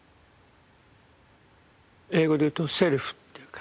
英語で言うと「セルフ」というか。